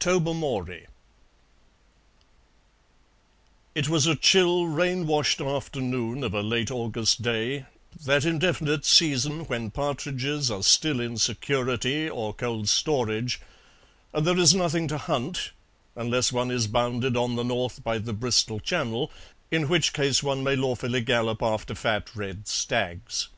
TOBERMORY It was a chill, rain washed afternoon of a late August day, that indefinite season when partridges are still in security or cold storage, and there is nothing to hunt unless one is bounded on the north by the Bristol Channel, in which case one may lawfully gallop after fat red stags.